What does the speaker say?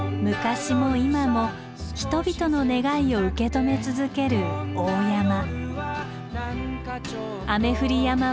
昔も今も人々の願いを受け止め続ける大山。